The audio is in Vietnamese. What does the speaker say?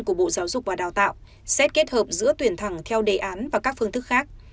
của bộ giáo dục và đào tạo xét kết hợp giữa tuyển thẳng theo đề án và các phương thức khác